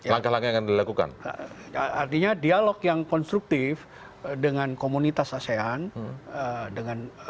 langkah langkah yang dilakukan artinya dialog yang konstruktif dengan komunitas asean dengan